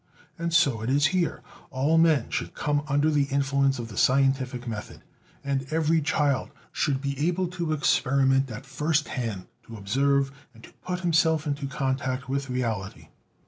And so it is here: all men should come under the influence of the scientific method; and every child should be able to experiment at first hand, to observe, and to put himself in contact with reality.